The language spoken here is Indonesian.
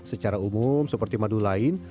secara umum seperti madu lain